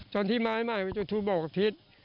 จนที่มาใหม่ถูกบอกว่าทิศ